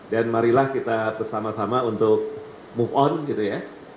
dan marilah kita bersama sama untuk move on gitu ya